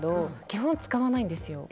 基本、使わないんですよ。